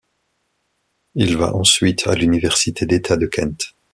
Il va ensuite à l'Université d'État de Kent.